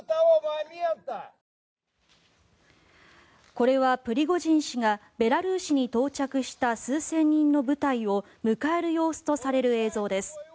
これは、プリゴジン氏がベラルーシに到着した数千人の部隊を迎える様子とされる映像です。